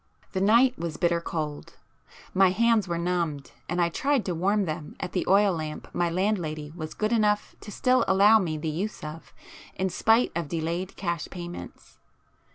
The night was bitter cold. My hands were numbed, and I tried to warm them at the oil lamp my landlady was good enough to still allow me the use of, in spite of delayed cash payments.